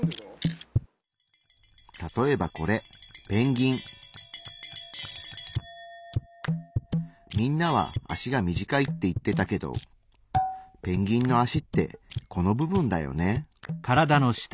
例えばこれみんなは脚が短いって言ってたけどペンギンの脚ってこの部分だよね。